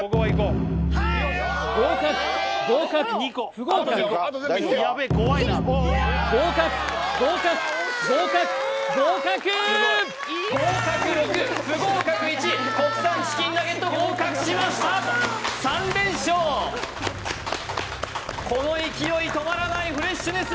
合格合格不合格合格合格合格合格国産チキンナゲット合格しました３連勝この勢い止まらないフレッシュネス